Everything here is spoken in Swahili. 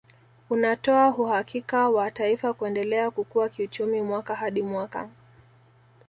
Unatoa uhakika wa taifa kuendelea kukua kiuchumi mwaka hadi mwaka